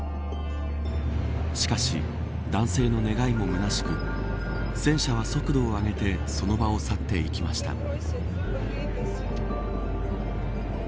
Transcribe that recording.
しかし、男性の願いもむなしく戦車は速度を上げてその場を去っていきました。